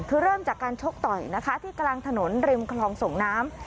คือเริ่มจากการชกต่อยนะคะที่กลางถนนริมคลองส่งน้ำ